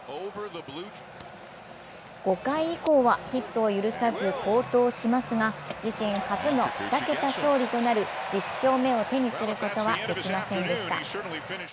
５回以降はヒットを許さず好投しますが、自身初の２桁勝利となる１０勝目を手にすることはできませんでした。